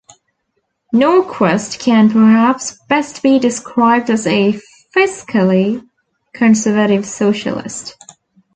Norquist can perhaps best be described as a fiscally conservative socialist.